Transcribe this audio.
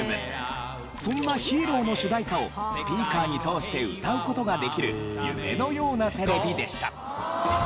そんなヒーローの主題歌をスピーカーに通して歌う事ができる夢のようなテレビでした。